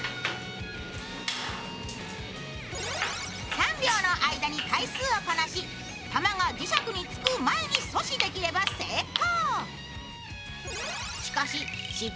３秒の間に回数をこなし、球が磁石につく前に阻止できれば成功。